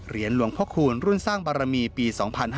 หลวงพ่อคูณรุ่นสร้างบารมีปี๒๕๕๙